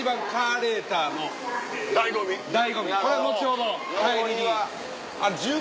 これ後ほど帰りに。